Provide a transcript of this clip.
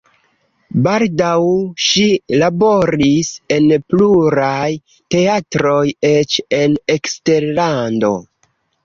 Baldaŭ ŝi laboris en pluraj teatroj eĉ en eksterlando.